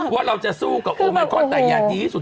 ว่าเราจะสู้กับโอมิคอนแต่อย่างดีที่สุด